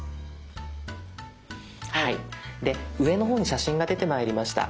はいで上の方に写真が出てまいりました。